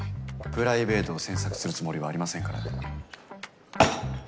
プライベートを詮索するつもりはありませんから。